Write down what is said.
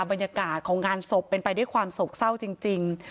บรรยากาศของงานศพเป็นไปด้วยความโศกเศร้าจริง